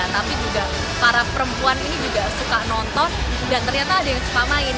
tapi juga para perempuan ini juga suka nonton dan ternyata ada yang suka main